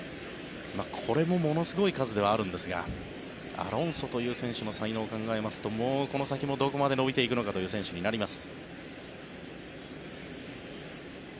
これもものすごい数ではあるんですがアロンソという選手の才能を考えますとこの先もどこまで伸びていくのかという選手になります。